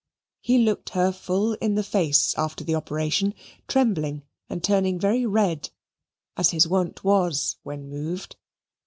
He looked her full in the face after the operation, trembling and turning very red, as his wont was when moved.